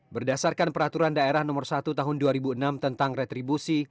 berdasarkan peraturan daerah nomor satu tahun dua ribu enam tentang retribusi